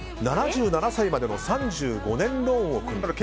７７歳までの３５年ローンを組んだと。